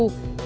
của chi pu